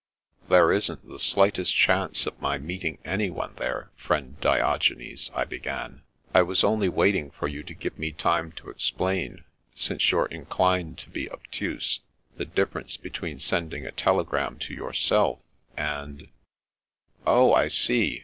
" There isn't the slightest chance of my meeting anyone there, friend Diogenes," I began. " I was only waiting for you to give me time to explain, since you're inclined to be obtuse, the difference be tween sending a telegram to yourself, and "" Oh, I see.